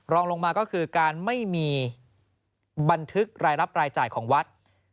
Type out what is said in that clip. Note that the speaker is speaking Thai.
รองลงมาก็คือการไม่มีบันทึกรายรับรายจ่ายของวัด